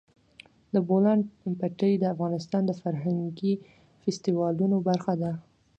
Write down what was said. د بولان پټي د افغانستان د فرهنګي فستیوالونو برخه ده.